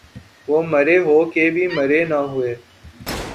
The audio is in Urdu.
وہ مرے ہو کے بھی مرے نہ ہوئے